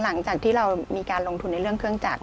หลังจากที่เรามีการลงทุนในเรื่องเครื่องจักร